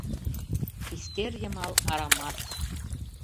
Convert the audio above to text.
Пистер йымал арамат